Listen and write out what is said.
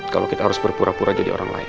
kalau kita harus berpura pura jadi orang lain